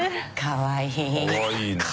かわいいね。